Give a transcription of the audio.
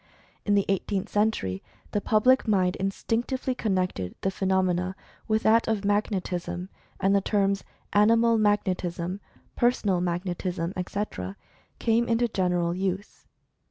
in the Eighteenth Century, the public mind instinctively connected the phenomena with that of Magnetism, and the terms "Animal Mag netism," "Personal Magnetism," etc., came into gen eral use.